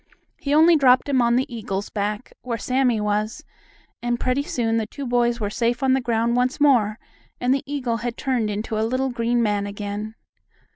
He only dropped him on the eagle's back, where Sammie was, and pretty soon the two boys were safe on the ground once more, and the eagle had turned into a little green man again.